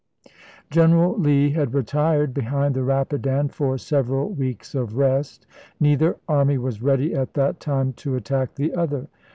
General Lee had retired behind the Rapidan for im. several weeks of rest ; neither army was ready at that time to attack the other.